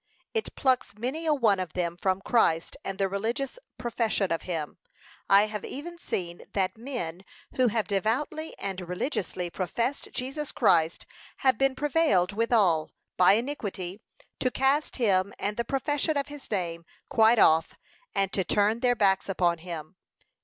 It plucks many a one of them from Christ and the religious profession of him. I have even seen, that men who have devoutly and religiously professed Jesus Christ, have been prevailed withal, by iniquity, to cast him and the profession of his name quite off, and to turn their backs upon him.